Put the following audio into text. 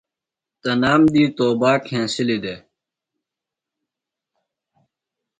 تنام دی توباک ہنسِلیۡ دےۡ۔